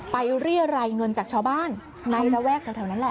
เรียรายเงินจากชาวบ้านในระแวกแถวนั้นแหละ